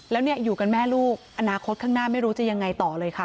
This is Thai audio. แล้วเนี่ยอยู่กันแม่ลูกอนาคตข้างหน้าไม่รู้จะยังไงต่อเลยค่ะ